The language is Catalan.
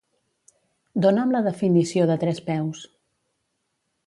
Dona'm la definició de trespeus.